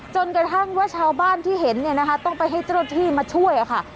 จนกระทั่งว่าชาวบ้านที่เห็นต้องไปให้เจ้าที่มาช่วย